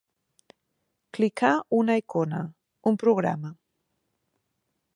Clicar una icona, un programa.